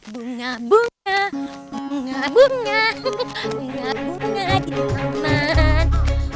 bunga bunga bunga bunga bunga bunga di teman